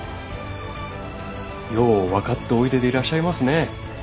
よう分かっておいででいらっしゃいますね。